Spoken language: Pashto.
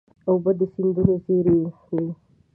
اوبه د سیندونو زېری وي.